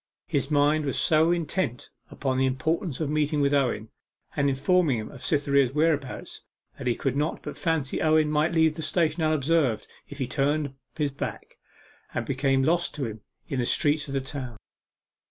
His mind was so intent upon the importance of meeting with Owen, and informing him of Cytherea's whereabouts, that he could not but fancy Owen might leave the station unobserved if he turned his back, and become lost to him in the streets of the town.